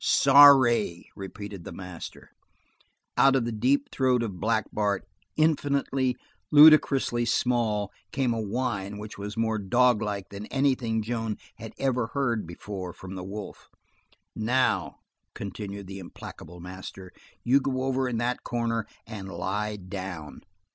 "Sorry!" repeated the master. Out of the deep throat of Black Bart, infinitely, ludicrously small, came a whine which was more doglike than anything Joan had ever heard, before, from the wolf. "Now," continued the implacable master, "you go over in that corner, and lie down."